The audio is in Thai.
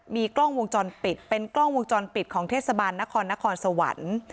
มีกล้องวงจรปิดเป็นกล้องวงจรปิดของเทศบาลนครนครสวรรค์